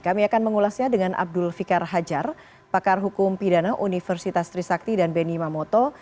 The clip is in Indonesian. kami akan mengulasnya dengan abdul fikar hajar pakar hukum pidana universitas trisakti dan beni mamoto